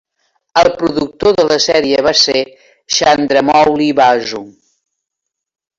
El productor de la sèrie va ser Chandramouli Basu.